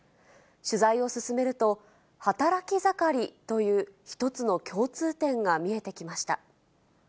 取材を進めると、働き盛りという一つの共通点が見えてきました。